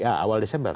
ya awal desember